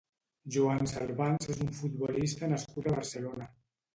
Joan Salvans és un futbolista nascut a Barcelona.